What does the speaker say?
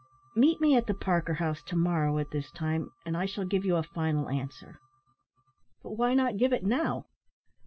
Meet me at the Parker House to morrow, at this time, and I shall give you a final answer." "But why not give it now?"